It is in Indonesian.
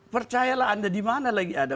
percayalah anda di mana lagi ada